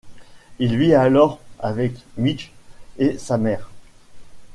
Il vit alors avec Mitch et sa mère.